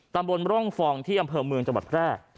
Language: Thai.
ตำบลร่องฟองที่อำเภอเมืองจังหวัดแพร่